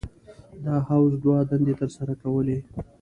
دا حوض دوه دندې تر سره کولې.